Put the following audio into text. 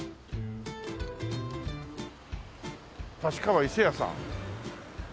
立川伊勢屋さん。